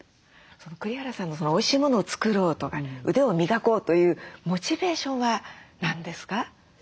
栗原さんのおいしいものを作ろうとか腕を磨こうというモチベーションは何ですか？